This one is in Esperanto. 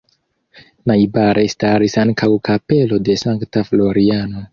Najbare staris ankaŭ kapelo de Sankta Floriano.